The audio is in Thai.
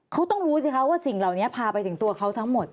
เขาต้องรู้สิคะว่าสิ่งเหล่านี้พาไปถึงตัวเขาทั้งหมด